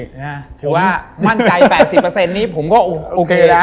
ถือว่ามั่นใจ๘๐นี้ผมก็โอเคแล้ว